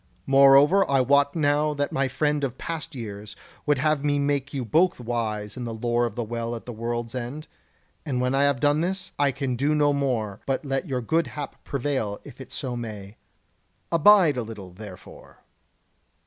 Moreover, I wot now that my friend of past years would have me make you both wise in the lore of the Well at the World's End; and when I have done this, I can do no more, but let your good hap prevail if so it may. Abide a little, therefore."